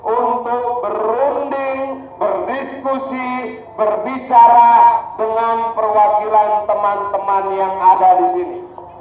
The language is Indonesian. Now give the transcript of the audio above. untuk berunding berdiskusi berbicara dengan perwakilan teman teman yang ada di sini